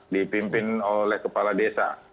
dipimpin oleh kepala desa